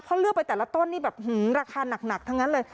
เพราะเลือกไปแต่ละต้นนี่แบบราคาหนักทั้งนั้นเลย